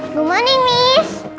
selamat pagi pak